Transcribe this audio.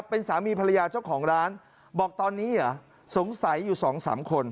เป็นสามีภรรยาเจ้าของร้านบอกตอนนี้สงสัยอยู่๒๓คน